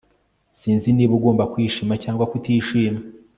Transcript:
Sinzi niba ugomba kwishima cyangwa kutishima